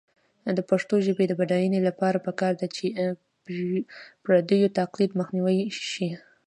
د پښتو ژبې د بډاینې لپاره پکار ده چې پردیو تقلید مخنیوی شي.